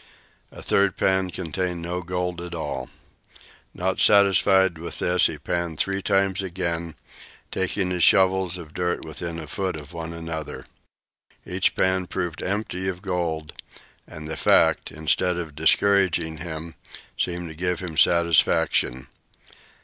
A third pan contained no gold at all. Not satisfied with this, he panned three times again, taking his shovels of dirt within a foot of one another. Each pan proved empty of gold, and the fact, instead of discouraging him, seemed to give him satisfaction.